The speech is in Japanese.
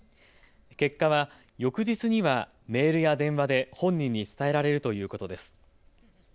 結果は翌日にはメールや電話で本人に伝えられるということです。